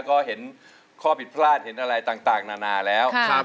ก็เห็นข้อผิดพลาดเห็นอะไรต่างนานาแล้ว